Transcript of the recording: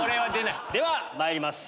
ではまいります。